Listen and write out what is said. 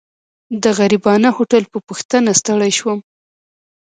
د غریبانه هوټل په پوښتنه ستړی شوم.